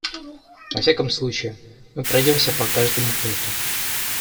Во всяком случае, мы пройдемся по каждому пункту.